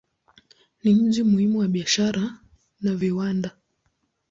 Ni mji muhimu wa biashara na viwanda.